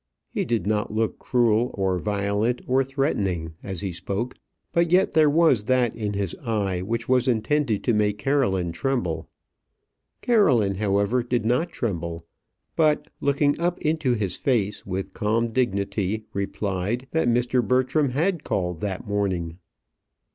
He did not look cruel, or violent, or threatening as he spoke; but yet there was that in his eye which was intended to make Caroline tremble. Caroline, however, did not tremble; but looking up into his face with calm dignity replied, that Mr. Bertram had called that morning.